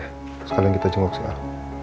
terus kalian kita jenguk si al